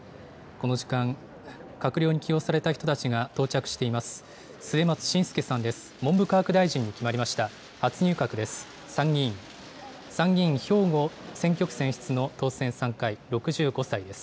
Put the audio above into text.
この時間、閣僚に起用された人たちが到着しています。